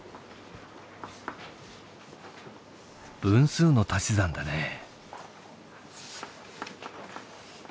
分数の足し算だね。